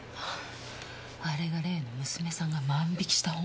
あれがね娘さんが万引きした本。